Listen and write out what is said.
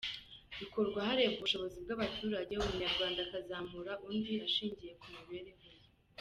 Bikorwa harebwa ubushobozi bw’abaturage, umunyarwanda akazamura undi hashingiwe ku mibereho ye.